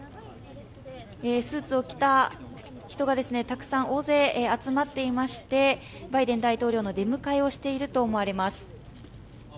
スーツを着た人がたくさん大勢集まっていまして、バイデン大統領の出迎えをしていると思われます。